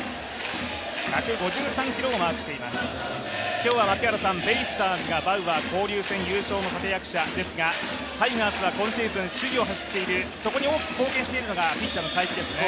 今日は、ベイスターズがバウアー、交流戦の立役者ですが、タイガースは今シーズン首位を走っている、そこに大きく貢献しているのがピッチャーの才木ですね。